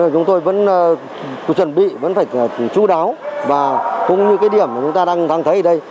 chúng tôi vẫn chuẩn bị vẫn phải chú đáo và cũng như cái điểm mà chúng ta đang thấy ở đây